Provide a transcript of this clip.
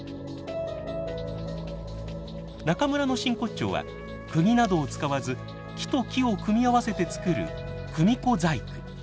中村の真骨頂は釘などを使わず木と木を組み合わせてつくる組子細工。